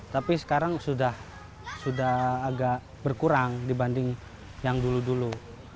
tapi sekarang sudah agak berkurang dibanding yang dulu dulu